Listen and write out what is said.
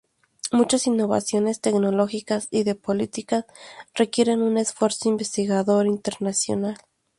Muchas innovaciones tecnológicas y de políticas requieren un esfuerzo investigador internacional.